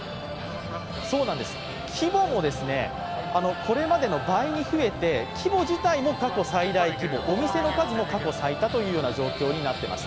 規模もこれまでの倍に増えて、規模自体も過去最大規模、お店の数も過去最多という状況になっています。